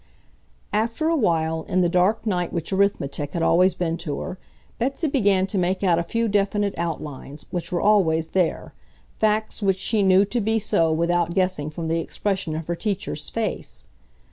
After a while, in the dark night which arithmetic had always been to her, Betsy began to make out a few definite outlines, which were always there, facts which she knew to be so without guessing from the expression of her teacher's face.